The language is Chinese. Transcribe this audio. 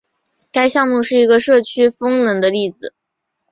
该项目是一个社区风能的例子。